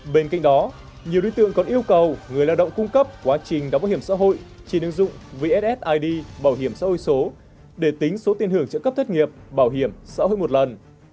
bên cạnh đó nhiều đối tượng còn yêu cầu người lao động cung cấp quá trình đóng bảo hiểm xã hội trên ứng dụng vssid bảo hiểm xã hội số để tính số tiền hưởng trợ cấp thất nghiệp bảo hiểm xã hội một lần